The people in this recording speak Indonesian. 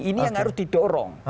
ini yang harus didorong